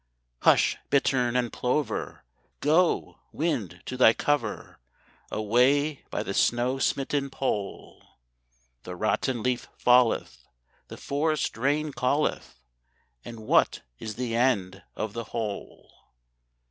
Hush, bittern and plover! Go, wind, to thy cover Away by the snow smitten Pole! The rotten leaf falleth, the forest rain calleth; And what is the end of the whole?